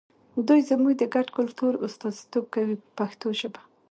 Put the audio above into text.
دوی زموږ د ګډ کلتور استازیتوب کوي په پښتو ژبه.